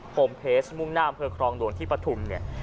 โฮมเพสมุ่งนามเพื่อครองหลวงที่ประทุมเนี่ย